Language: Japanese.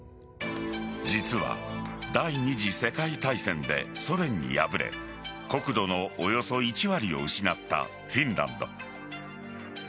実は第２次世界大戦でソ連に敗れ国土のおよそ１割を失ったフィンランド。